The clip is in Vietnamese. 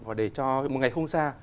và để cho một ngày không xa